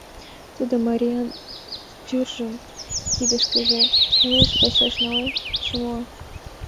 Тудо Мариян тӱржым кидышкыже уэш-пачаш налеш, шымла.